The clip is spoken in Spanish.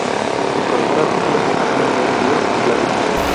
Incorpora artículos repasando nuevos libros y clásicos.